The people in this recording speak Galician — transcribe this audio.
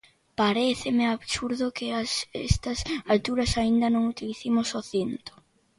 Paréceme absurdo que a estas alturas, aínda non utilicemos o cinto.